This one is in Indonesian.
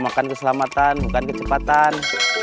makan keselamatan bukan kecepatan